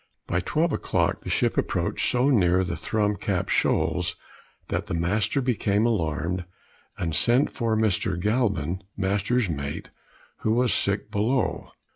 By twelve o'clock the ship approached so near the Thrum Cap shoals that the master became alarmed, and sent for Mr. Galvin, master's mate, who was sick below.